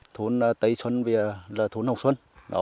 thôn tây xuân là thôn hồng xuân